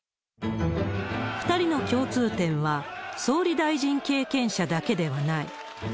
２人の共通点は、総理大臣経験者だけではない。